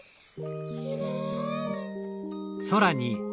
きれい！